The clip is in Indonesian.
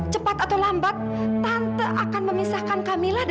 kamu mau bicara sama dia kamilah